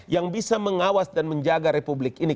yang bisa mengawas dan menjaga republik ini